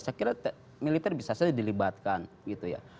saya kira militer bisa saja dilibatkan gitu ya